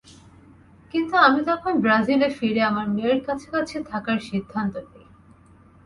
কিন্তু আমি তখন ব্রাজিলে ফিরে আমার মেয়ের কাছাকাছি থাকার সিদ্ধান্ত নিই।